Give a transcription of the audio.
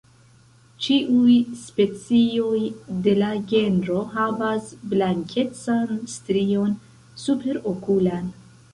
Ĉiuj specioj de la genro havas blankecan strion superokulan.